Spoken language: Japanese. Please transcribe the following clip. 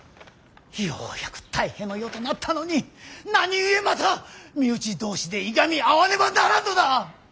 ようやく泰平の世となったのに何故また身内同士でいがみ合わねばならんのだ！